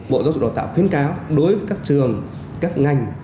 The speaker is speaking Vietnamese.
bộ giáo dục đào tạo khuyến cáo đối với các trường các ngành